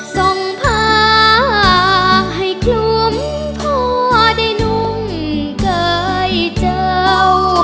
ส่งภาคให้กลุ่มพอดายหนุ่มใกล้เจ้า